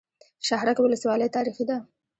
شهرک ولسوالۍ تاریخي ده؟